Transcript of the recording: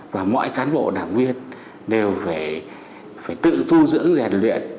và mọi cán bộ đảng viên đều phải tự tu dưỡng rèn luyện